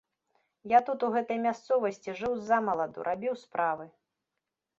Я тут, у гэтай мясцовасці, жыў ззамаладу, рабіў справы.